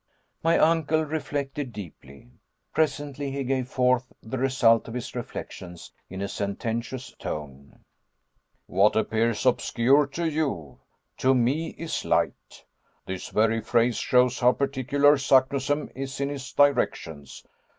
My uncle reflected deeply. Presently he gave forth the result of his reflections in a sententious tone. "What appears obscure to you, to me is light. This very phrase shows how particular Saknussemm is in his directions.